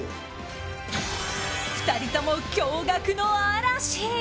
２人とも驚愕の嵐！